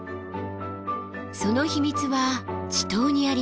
その秘密は池塘にあります。